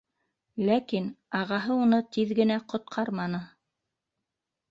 Ләкин ағаһы уны тиҙ генә ҡотҡарманы.